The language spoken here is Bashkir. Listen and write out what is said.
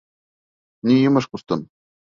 — Ни йомош, ҡустым?